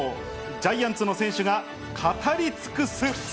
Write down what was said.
ジャイアンツの選手が語り尽くす。